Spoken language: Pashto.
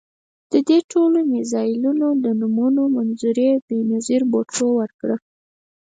د دې ټولو میزایلونو د نومونو منظوري بېنظیر بوټو ورکړه.